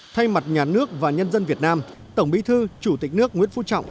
thay mặt nhà nước và nhân dân việt nam tổng bí thư chủ tịch nước nguyễn phú trọng